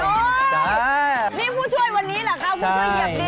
อุ๊ยอาจารย์นี่ผู้ช่วยวันนี้เหรอคะผู้ช่วยเหยียบดินใช่